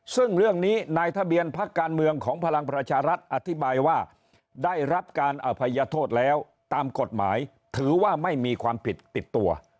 ซึ่งเรื่องนี้นายทะเบียนพักการเมืองของพลังประชารัฐอธิบายว่าได้รับการอภัยโทษแล้วตามกฎหมายถือว่าไม่มีความผิดติดตัว